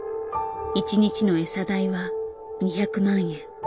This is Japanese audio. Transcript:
１日の餌代は２００万円。